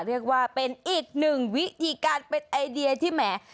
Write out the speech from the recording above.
เรียกว่าเป็นอีกหนึ่งวิธีการเป็นไอเดียที่แหม